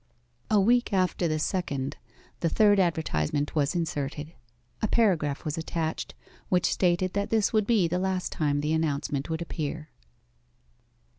A week after the second, the third advertisement was inserted. A paragraph was attached, which stated that this would be the last time the announcement would appear.